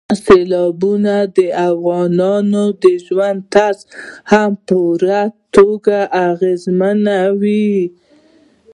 سیلابونه د افغانانو د ژوند طرز هم په پوره توګه اغېزمنوي.